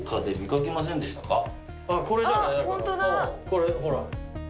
これほら。